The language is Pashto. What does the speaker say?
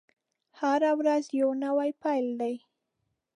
هره ورځ يو نوی پيل دی.